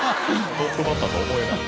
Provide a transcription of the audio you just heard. トップバッターとは思えない。